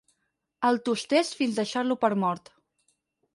El tustés fins deixar-lo per mort.